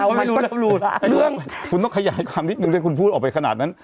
คุณต้องขยายความที่คุณพูดออกไปขนาดนั้น